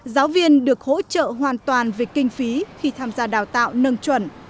giáo viên được hỗ trợ hoàn toàn về kinh phí khi tham gia đào tạo nâng chuẩn